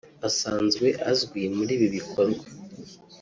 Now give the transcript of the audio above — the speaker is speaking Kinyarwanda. asanzwe azwi muri ibi bikorwa